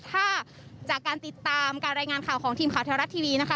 ถ้าจากการติดตามการรายงานข่าวของทีมข่าวเทวรัฐทีวีนะคะ